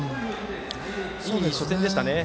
いい初戦でしたね。